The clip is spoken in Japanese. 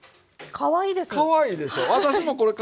かわいいですね。